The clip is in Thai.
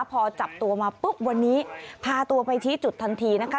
พอจับตัวมาปุ๊บวันนี้พาตัวไปชี้จุดทันทีนะคะ